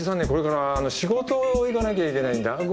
これからあの仕事行かなきゃいけないんだ。